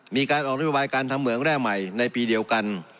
มีการออกนโยบายการทำเหมืองแร่ใหม่ในปีเดียวกัน